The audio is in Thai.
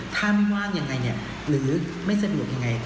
ถ้าไม่ว่างยังไงหรือไม่สะดวกยังไง